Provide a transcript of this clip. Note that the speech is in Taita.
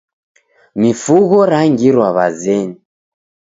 Mifugho rangirwa w'azenyi.